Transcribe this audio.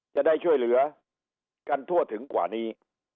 จะได้ช่วยเหลือกันทั่วถึงกว่านี้